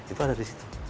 itu ada di situ